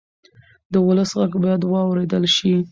د ولس غږ باید واورېدل شي